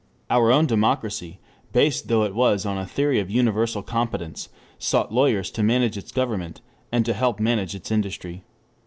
Our own democracy, based though it was on a theory of universal competence, sought lawyers to manage its government, and to help manage its industry.